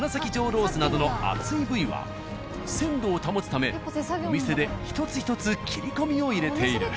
ロースなどの厚い部位は鮮度を保つためお店で一つ一つ切り込みを入れている。